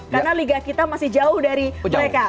karena liga kita masih jauh dari mereka